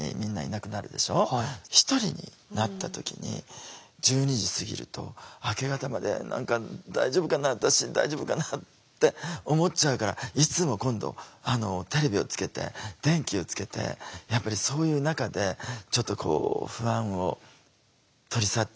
１人になった時に１２時過ぎると明け方まで「何か大丈夫かな私大丈夫かな」って思っちゃうからいつも今度テレビをつけて電気をつけてやっぱりそういう中でちょっとこう不安を取り去っていくんですよね。